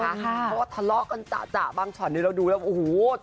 เพราะว่าทะเลาะกันจ่ะบางช็อตนี้เราดูแล้วโอ้โห